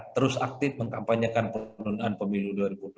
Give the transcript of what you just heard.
terus aktif mengkampanyekan penundaan pemilu dua ribu dua puluh